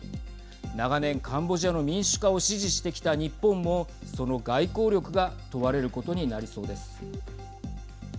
長年カンボジアの民主化を支持してきた日本もその外交力が問われることになりそうです。